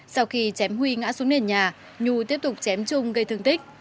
sau khi chém huy ngã xuống nền nhà nhu tiếp tục chém trung gây thương tích